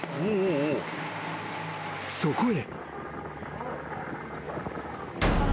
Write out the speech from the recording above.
［そこへ］